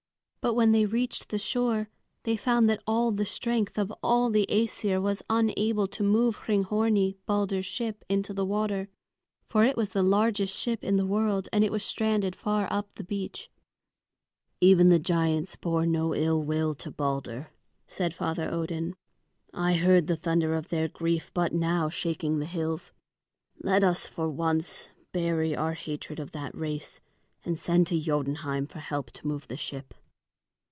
But when they reached the shore, they found that all the strength of all the Æsir was unable to move Hringhorni, Balder's ship, into the water. For it was the largest ship in the world, and it was stranded far up the beach. "Even the giants bore no ill will to Balder," said Father Odin. "I heard the thunder of their grief but now shaking the hills. Let us for this once bury our hatred of that race and send to Jotunheim for help to move the ship."